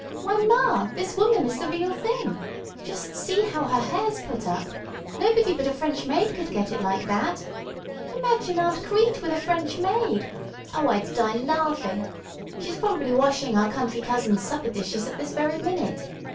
Why, ma, this woman is the real thing! Just see how her hair's put up. Nobody but a French maid could get it like that. Imagine Aunt Crete with a French maid. O, I'd die laughing. She's probably washing our country cousin's supper dishes at this very minute.